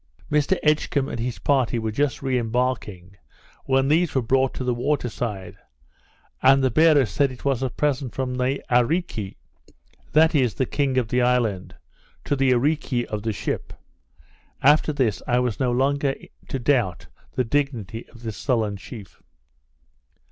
Mr Edgcumbe and his party were just re embarking, when these were brought to the water side, and the bearers said it was a present from the Areeke, that is, the king of the island, to the Areeke of the ship. After this I was no longer to doubt the dignity of this sullen chief.